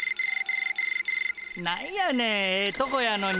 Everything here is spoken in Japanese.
何やねんええとこやのに。